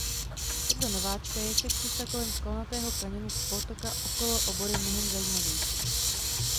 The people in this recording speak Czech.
Podle Nováčka je však cesta kolem skalnatého kaňonu potoka okolo obory mnohem zajímavější.